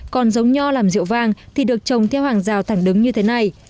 còn giống nho làm rượu vang thì được trồng theo hàng rào thẳng đứng như thế này